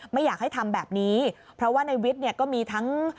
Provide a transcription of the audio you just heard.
ไม่อยากให้ทำแบบนี้เพราะว่าในวิทย์เนี่ยก็มีทั้ง